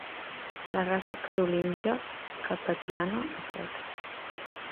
La raça carolíngia, capetiana, etc.